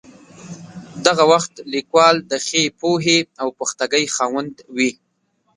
دغه وخت لیکوال د ښې پوهې او پختګۍ خاوند وي.